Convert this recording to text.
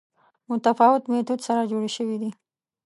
متفاوت میتود سره جوړې شوې دي